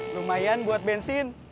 lumayan buat bensin